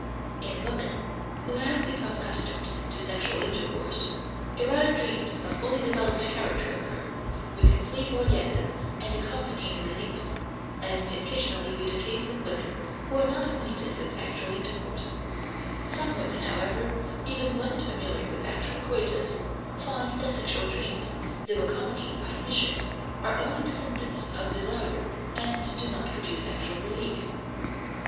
In women, who have become accustomed to sexual intercourse, erotic dreams of fully developed character occur, with complete orgasm and accompanying relief as may occasionally be the case in women who are not acquainted with actual intercourse; some women, however, even when familiar with actual coitus, find that sexual dreams, though accompanied by emissions, are only the symptoms of desire and do not produce actual relief.